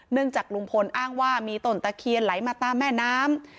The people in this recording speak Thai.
จากลุงพลอ้างว่ามีต้นตะเคียนไหลมาตามแม่น้ำ